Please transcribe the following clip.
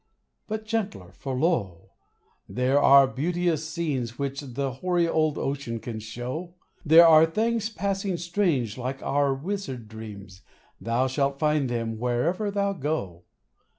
But gentler, for lo ! there are beauteous scenes Which the hoary old ocean can show, There are things passing strange, like our wizard dreams, Thou shalt find them wherever thou go.